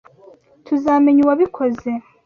Tuzamenya uwabikoze.